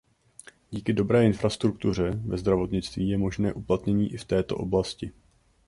Díky dobré infrastruktuře ve zdravotnictví je možnost uplatnění i v této oblasti.